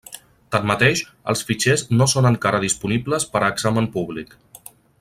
Tanmateix, els fitxers no són encara disponibles per a examen públic.